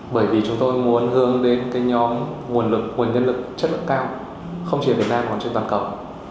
bởi vì chúng tôi muốn hướng đến cái nhóm nguồn nhân lực chất lượng cao không chỉ ở việt nam còn trên toàn cầu